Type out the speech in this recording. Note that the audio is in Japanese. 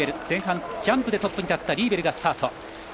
前半ジャンプでトップに立ったリーベルがスタート。